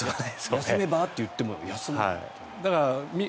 休めば？って言っても休まない。